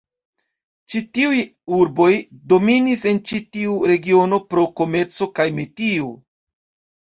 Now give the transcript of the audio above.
Ĉi tiuj urboj dominis en ĉi tiu regiono pro komerco kaj metio.